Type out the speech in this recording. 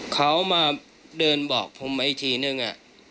เขามาเดินบอกผมมาอีกทีนึง